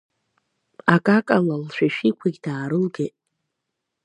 Акакала лшәишәиқәагь даарылгеит.